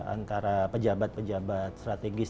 antara pejabat pejabat strategis